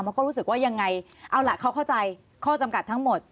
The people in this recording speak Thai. เขาก็รู้สึกว่ายังไงเอาล่ะเขาเข้าใจข้อจำกัดทั้งหมด